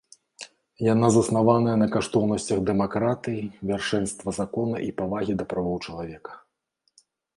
Яна заснаваная на каштоўнасцях дэмакратыі, вяршэнства закона і павагі да правоў чалавека.